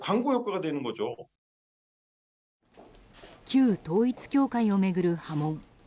旧統一教会を巡る波紋。